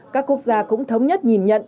các quốc gia cũng thống nhất nhìn nhận